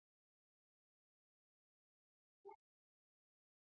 د دې بیرغ زموږ کفن دی